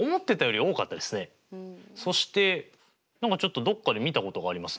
そして何かちょっとどっかで見たことがありますね。